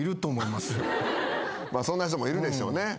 まあそんな人もいるでしょうね。